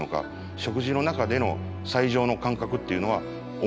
食事の中での最上の感覚っていうのは思い出すほどにおいしい。